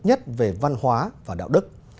nhất về văn hóa và đạo đức